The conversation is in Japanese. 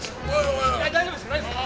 大丈夫ですか？